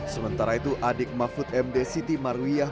sementara itu adik mahfud md siti marwiah